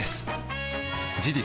事実